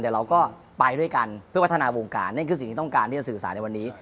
แต่เราก็ไปด้วยกันเพื่อพัฒนาวงการนั่นคือสิ่งที่ต้องการที่จะสื่อสารในวันนี้